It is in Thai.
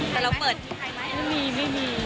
แต่เราเปิดไม่มีไม่มี